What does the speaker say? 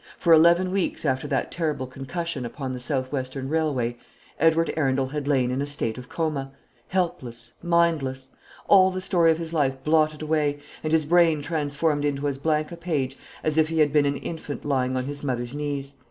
For eleven weeks after that terrible concussion upon the South Western Railway, Edward Arundel had lain in a state of coma, helpless, mindless; all the story of his life blotted away, and his brain transformed into as blank a page as if he had been an infant lying on his mother's knees.